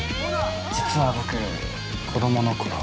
実は僕子供のころ。